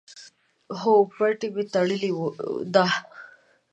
هو، پټۍ می تړلې ده